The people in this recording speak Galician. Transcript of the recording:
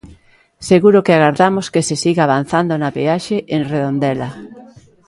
Seguro que agardamos que se siga avanzando na peaxe en Redondela.